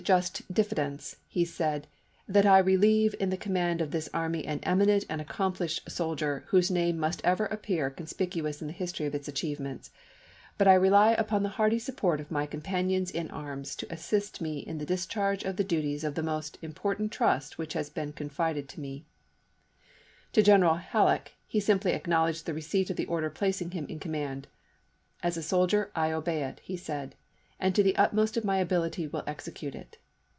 just diffidence," he said, " that I relieve in the com mand of this army an eminent and accomplished soldier whose name must ever appear conspicuous in the history of its achievements ; but I rely upon the hearty support of my companions in arms to assist i863Unew8R. me in the discharge of the duties of the important xxvii.; trust which has been confided to me." To General pr. 374. " Halleck he simply acknowledged the receipt of the order placing him in command. "As a soldier, I obey it," he said, " and to the utmost of my ability will execute it."